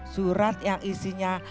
surat yang isinya